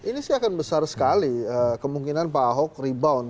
ini sih akan besar sekali kemungkinan pak ahok rebound